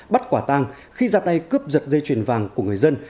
bắt quả tang khi ra tay cướp giật dây chuyền vàng của người dân